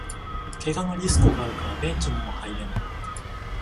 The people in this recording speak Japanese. けがのリスクがあるからベンチにも入れない